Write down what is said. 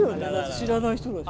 知らない人だし。